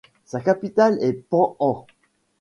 Sa capitale est Pa-An.